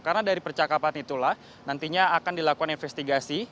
karena dari percakapan itulah nantinya akan dilakukan investigasi